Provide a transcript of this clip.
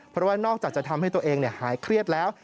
เพราะว่านอกจากจะทำให้ตัวเองหายเครียดแล้ว